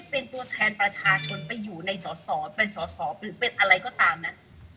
เป็นตัวแทนประชาชนไปอยู่ในสอสอเป็นสอสอหรือเป็นอะไรก็ตามนะ